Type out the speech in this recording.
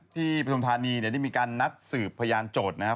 ที่ประธรรมฐานีเนี่ยได้มีการนัดสืบพยานโจทย์นะฮะ